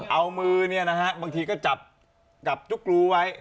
เอามือบางทีก็จับกับจุ๊กรูไว้